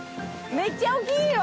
めっちゃ大きいよ。